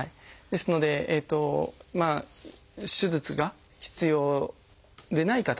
ですので手術が必要でない方。